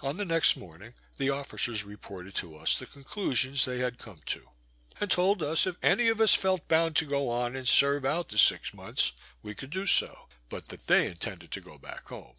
On the next morning the officers reported to us the conclusions they had come to; and told us, if any of us felt bound to go on and serve out the six months, we could do so; but that they intended to go back home.